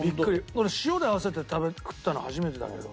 俺塩で合わせて食ったの初めてだけど。